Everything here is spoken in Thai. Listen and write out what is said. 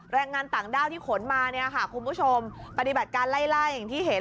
แรงงานต่างด้าวที่ขนมาเนี่ยค่ะคุณผู้ชมปฏิบัติการไล่ล่าอย่างที่เห็น